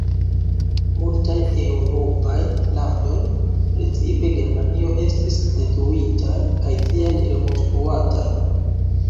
Multaj eŭropaj landoj, precipe Germanio, estis detruitaj kaj tial rekonstruataj.